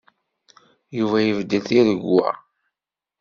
Yuba ibeddel tiregwa.